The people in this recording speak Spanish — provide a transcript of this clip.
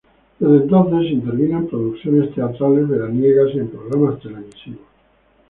Desde entonces intervino en producciones teatrales veraniegas y en programas televisivos.